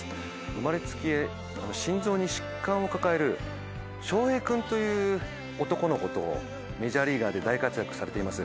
生まれつき心臓に疾患を抱える翔平君という男の子とメジャーリーガーで大活躍されています